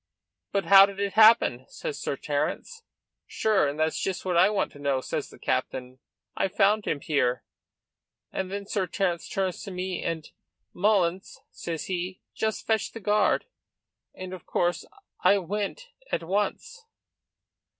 'But how did it happen?' says Sir Terence. 'Sure and that's just what I want to know,' says the captain; 'I found him here.' And then Sir Terence turns to me, and 'Mullins,' says he, 'just fetch the guard,' and of course, I went at once."